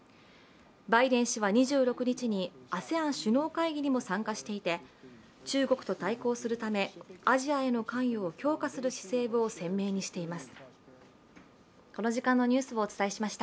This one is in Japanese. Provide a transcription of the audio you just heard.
バイデン氏は２６日に、ＡＳＥＡＮ首脳会議にも参加していて中国と対抗するためアジアへの関与を強化する姿勢を鮮明にしています。